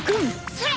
それ！